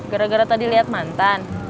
gara gara tadi lihat mantan